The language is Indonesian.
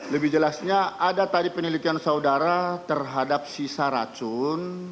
lebih jelasnya ada tadi penelitian saudara terhadap sisa racun